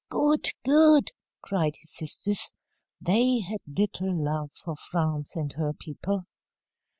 "Good! Good!" cried his sisters. They had little love for France and her people.